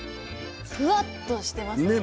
ふわっとしてます。